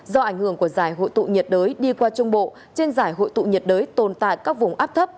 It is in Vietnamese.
do ảnh hưởng của giải hội tụ nhiệt đới đi qua trung bộ trên giải hội tụ nhiệt đới tồn tại các vùng áp thấp